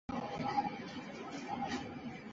卡尔法克斯塔现在由牛津市议会拥有。